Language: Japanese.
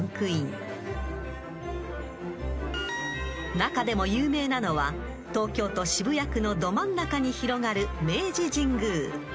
［中でも有名なのは東京都渋谷区のど真ん中に広がる］